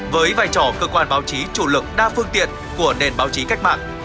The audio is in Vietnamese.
với vai trò cơ quan báo chí chủ lực đa phương tiện của nền báo chí cách mạng